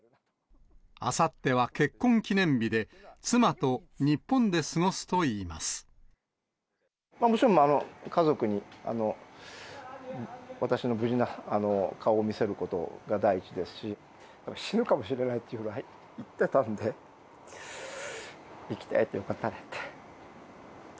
あさっては結婚記念日で、もちろん、家族に私の無事な顔を見せることが第一ですし、死ぬかもしれないって言ってたんで、生きて会えてよかったねって。